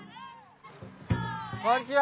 こんちは！